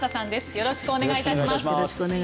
よろしくお願いします。